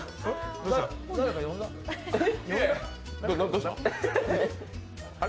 どうした？